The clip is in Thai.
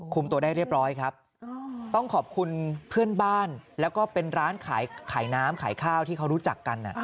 ตัวได้เรียบร้อยครับต้องขอบคุณเพื่อนบ้านแล้วก็เป็นร้านขายน้ำขายข้าวที่เขารู้จักกัน